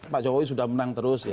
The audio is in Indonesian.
pak jokowi sudah menang terus ya